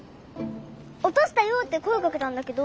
「おとしたよ」ってこえかけたんだけど。